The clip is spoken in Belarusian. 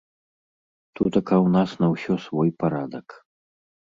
Тутака ў нас на ўсё свой парадак.